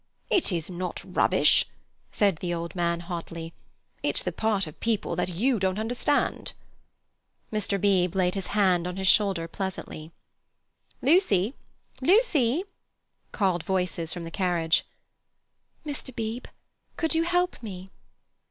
"It is not rubbish!" said the old man hotly. "It's the part of people that you don't understand." Mr. Beebe laid his hand on the old man's shoulder pleasantly. "Lucy! Lucy!" called voices from the carriage. "Mr. Beebe, could you help me?"